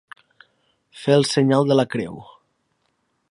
Fer el senyal de la creu.